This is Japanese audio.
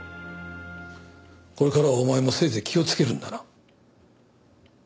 これからはお前もせいぜい気をつけるんだな。